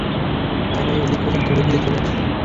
তারা এদিক-ওদিক ঘুরে-ফিরে চলে আসে।